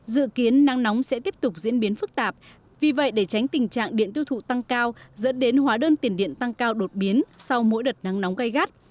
dự kiến nắng nóng sẽ tiếp tục diễn biến phức tạp vì vậy để tránh tình trạng điện tiêu thụ tăng cao dẫn đến hóa đơn tiền điện tăng cao đột biến sau mỗi đợt nắng nóng gây gắt